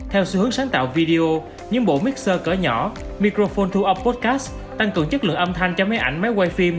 theo xu hướng sáng tạo video những bộ mixer cỡ nhỏ microphone thu opodcast tăng cường chất lượng âm thanh cho máy ảnh máy quay phim